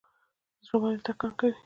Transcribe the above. زړه ولې ټکان کوي؟